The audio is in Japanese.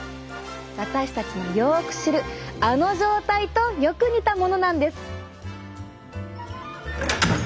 私たちのよく知るあの状態とよく似たものなんです。